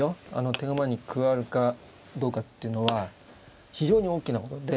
手駒に加わるかどうかっていうのは非常に大きなことで。